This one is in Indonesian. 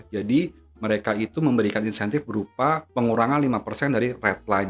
jadi mereka itu memberikan insentif berupa pengurangan lima dari redline